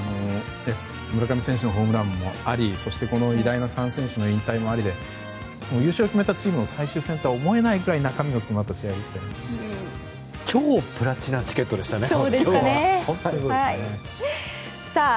村上選手のホームランもありそして、この偉大な３選手の引退もありで優勝を決めたチームの最終戦とは思えないくらい中身の詰まった試合でしたよね。